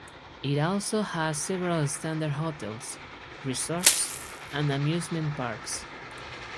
It also has several standard hotels, resorts and amusement parks.